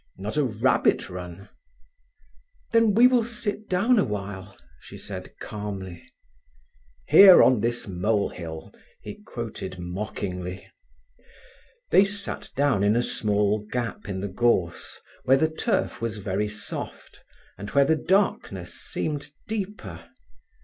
Not a rabbit run." "Then we will sit down awhile," said she calmly. "'Here on this mole hill,'" he quoted mockingly. They sat down in a small gap in the gorse, where the turf was very soft, and where the darkness seemed deeper.